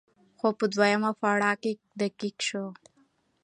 خو په دويم پړاو کې دقيق شو